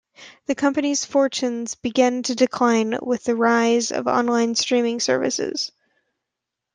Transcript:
The company's fortunes began to decline with the rise of online streaming services.